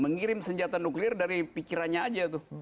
mengirim senjata nuklir dari pikirannya aja tuh